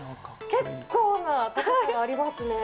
結構な高さがありますね。